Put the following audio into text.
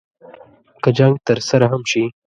که جنګ ترسره هم شي.